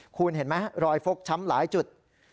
คุณเห็นไหมรอยฟกช้ำหลายจุด